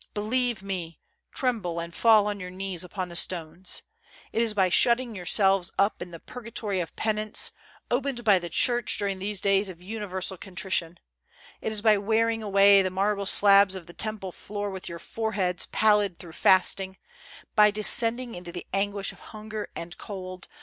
Believe me, trem ble and fall on your knees upon the stones I It is by shutting yourselves up in the purgatory of penance, opened by the Church during these days of universal contrition ; it is by wearing away the marble slabs of the temple floor with your foreheads pallid through fast ing, by descending into the anguish of hunger and cold, 296 THE FAST.